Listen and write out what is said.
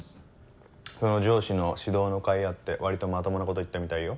その上司の指導のかいあって割とまともなこと言ったみたいよ。